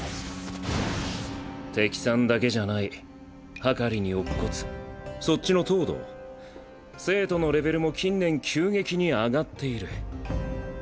敵さんだけじゃない秤に乙骨そっちの東堂生徒のレベルも近年急激に上がっている。